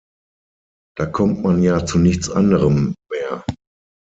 Da kommt man ja zu nichts anderem mehr.